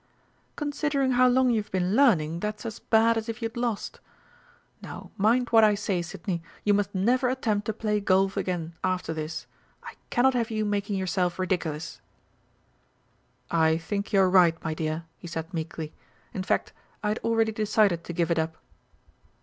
"Considering how long you've been learning, that's as bad as if you'd lost. Now, mind what I say, Sidney, you must never attempt to play golf again after this. I cannot have you making yourself ridiculous!" "I think you're right, my dear," he said meekly. "In fact, I had already decided to give it up."